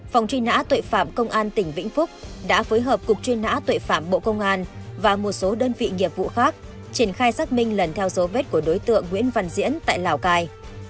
phòng truy nã tội phạm công an tỉnh vĩnh phúc đã phối hợp cục truy nã tội phạm bộ công an và một số đơn vị nghiệp vụ khác triển khai xác minh lần theo dấu vết của đối tượng nguyễn văn diễn tại lào cai